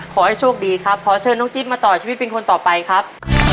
ขอให้โชคดีครับขอเชิญน้องจิ๊บมาต่อชีวิตเป็นคนต่อไปครับ